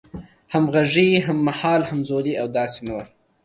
همغږی، هممهال، همزولی او داسې نور